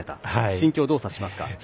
心境、どう察しますか。